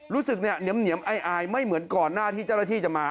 รู้สึกเนี่ยเหนียมอายไม่เหมือนก่อนหน้าที่เจ้าหน้าที่จะมา